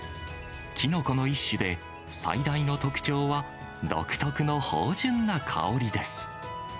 キノコの一種で、最大の特徴は独特の芳じゅんな香りです。